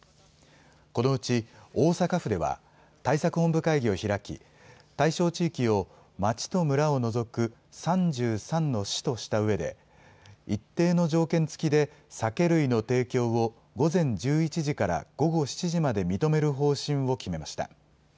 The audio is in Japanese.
このうち、大阪府では、対策本部会議を開き、対象地域を、町と村を除く３３の市としたうえで、一定の条件付きで酒類の提供を午前１１時から午後７時まで認める方針を決めました。